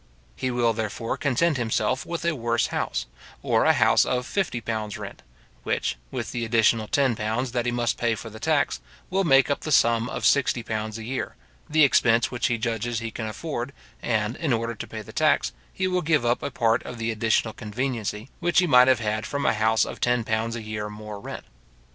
He will, therefore, content himself with a worse house, or a house of fifty pounds rent, which, with the additional ten pounds that he must pay for the tax, will make up the sum of sixty pounds a year, the expense which he judges he can afford, and, in order to pay the tax, he will give up a part of the additional conveniency which he might have had from a house of ten pounds a year more rent.